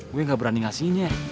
gue gak berani ngasihnya